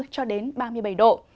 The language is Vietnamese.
cho đến ba mươi bảy độ